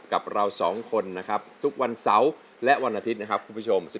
กับเรา๒คนนะครับทุกวันเสาร์และวันอาทิตย์นะครับคุณผู้ชม